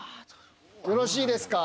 よろしいですか？